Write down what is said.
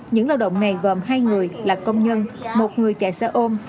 những lao động này gồm hai người là công nhân một người chạy xe ôm